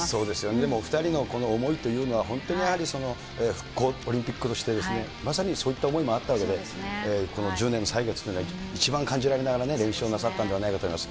でもお２人の思いというのが、本当にやはり、復興オリンピックとしてですね、まさにそういった思いもあったわけで、この１０年の歳月っていうのを一番感じられながらね、練習をなさったんではないかと思います。